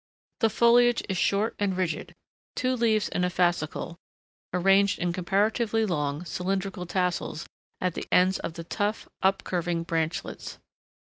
The foliage is short and rigid, two leaves in a fascicle, arranged in comparatively long, cylindrical tassels at the ends of the tough, up curving branchlets.